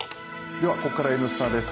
では、ここから「Ｎスタ」です。